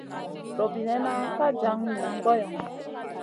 Robinena ka jan niyna goyo.